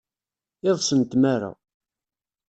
Iḍes n tmara.